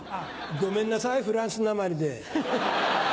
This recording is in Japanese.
ごめんなさいフランスなまりで。